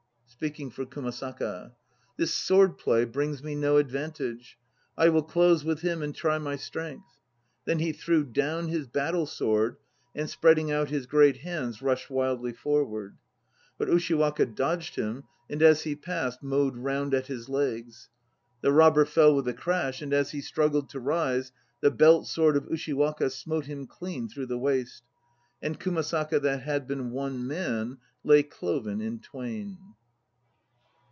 (Speaking for KUMASAKA.) "This sword play brings me no advantage; I will close with him and try my strength!" Then he threw down his battle sword and spreading out his great hands rushed wildly forward. But Ushiwaka dodged him, and as he passed mowed round at his legs. The robber fell with a crash, and as he struggled to rise The belt sword of Ushiwaka smote him clean through the waist. And Kumasaka that had been one man Lay cloven in twain.